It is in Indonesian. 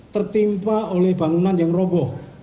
tertimpa oleh bangunan yang roboh